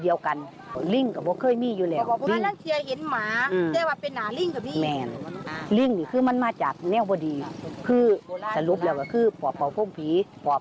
ยังไม่ถึงปี